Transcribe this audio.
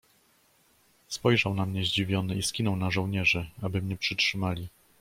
"Spojrzał na mnie zdziwiony i skinął na żołnierzy, aby mnie przytrzymali."